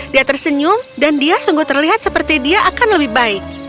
dia tersenyum dan dia sungguh terlihat seperti dia akan lebih baik